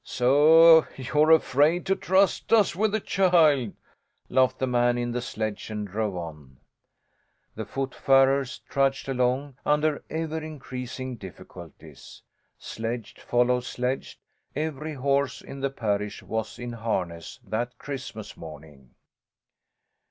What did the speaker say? "So you're afraid to trust us with the child?" laughed the man in the sledge, and drove on. The foot farers trudged along under ever increasing difficulties. Sledge followed sledge. Every horse in the parish was in harness that Christmas morning.